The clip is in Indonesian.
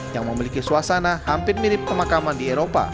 yang memiliki suasana hampir mirip pemakaman di eropa